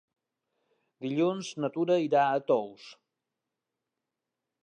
Dilluns na Tura irà a Tous.